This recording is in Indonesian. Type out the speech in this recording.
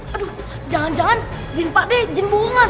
aduh jangan dua jin pakde jin bohongan